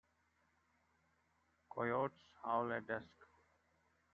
Coyotes howl at dusk.